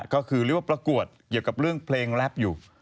ก็คือเรียกว่าประกวดเกี่ยวกับเรื่องเพลงแรปอยู่